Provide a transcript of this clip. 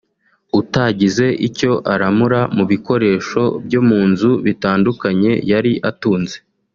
utagize icyo aramura mu bikoresho byo mu nzu bitandukanye yari atunze